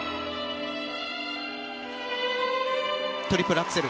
トリプルアクセル。